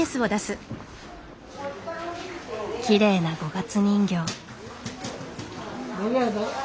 きれいな五月人形。